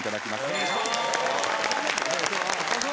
お願いします。